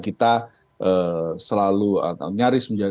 kita selalu nyaris menjadi